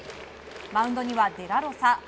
マウンドにはデラロサ。